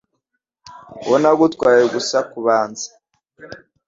uwo nagutwaye gusa kubanza